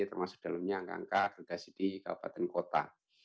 termasuk dalamnya angka angka agregasi di kabupaten kota